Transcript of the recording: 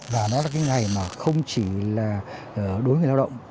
và nó là cái ngày mà không chỉ là đối với người lao động